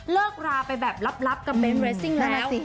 ราไปแบบลับกับเน้นเรสซิ่งแล้ว